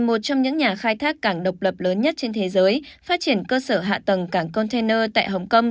một trong những nhà khai thác cảng độc lập lớn nhất trên thế giới phát triển cơ sở hạ tầng cảng container tại hồng kông